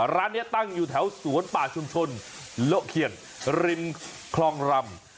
ร้านนี้ตั้งอยู่แถวสวนป่าชุมชนโละเขียนริมคลองรำ